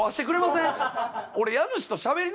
俺。